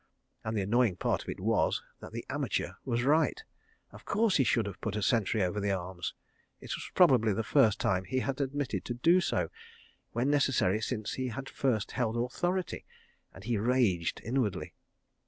And the annoying part of it was that the amateur was right! Of course he should have put a sentry over the arms. It was probably the first time he had omitted to do so, when necessary, since he had first held authority ... and he raged inwardly.